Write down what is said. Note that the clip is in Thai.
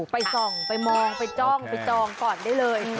ไปส่องไปมองไปจ้องไปจองก่อนได้เลย